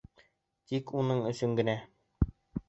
Тик уның өсөн генә!